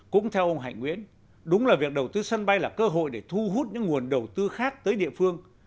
cũng theo ông hạnh nguyễn đúng là việc đầu tư sân bay là cơ hội để thu hút những nguồn đầu tư khác tới địa phương